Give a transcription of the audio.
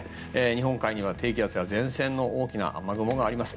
日本海には低気圧や前線の大きな雨雲があります。